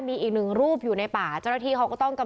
มีอีกหนึ่งรูปอยู่ในป่าเจ้าหน้าที่เขาก็ต้องกำ